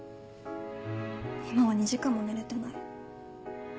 今は２時間も寝れてない。